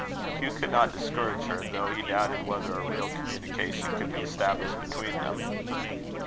Hugh could not discourage her, though he doubted whether a real communication could be established between them.